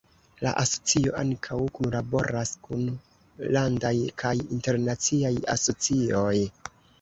La asocio ankaŭ kunlaboras kun landaj kaj internaciaj asocioj.